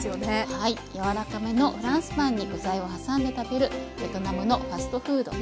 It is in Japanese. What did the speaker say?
はい柔らかめのフランスパンに具材を挟んで食べるベトナムのファストフードです。